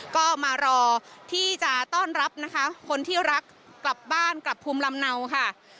ก็มารอที่จะต้อนรับนะคะคนที่รักกลับบ้านกลับภูมิลำเนาค่ะ